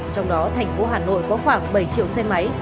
trong đó tp hcm có khoảng bảy triệu xe máy